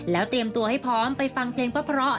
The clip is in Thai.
แล้วเตรียมตัวให้พร้อมไปฟังเพลงเพราะ